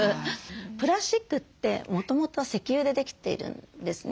プラスチックってもともと石油でできているんですね。